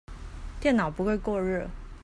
電腦不會過熱